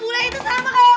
eh ren tau dia